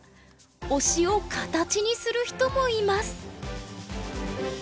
推しをカタチにする人もいます。